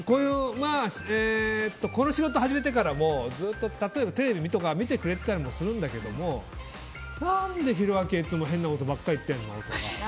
この仕事始めてからもずっとテレビとか見てくれてたりするんだけども何で博明いつも変なことばっか言ってるのって。